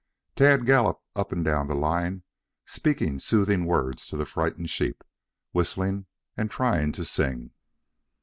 Tad galloped up and down the line, speaking soothing words to the frightened sheep, whistling and trying to sing.